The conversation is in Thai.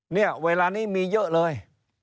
เนี่ยเวลานี้มีเยอะเลย